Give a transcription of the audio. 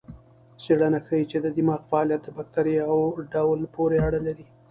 څېړنه ښيي چې د دماغ فعالیت د بکتریاوو ډول پورې اړه لري.